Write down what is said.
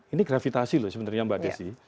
ini gravitasi loh sebenarnya mbak desi